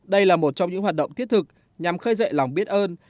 đây là một trong những hoạt động thiết thực nhằm khơi dậy lòng biết ơn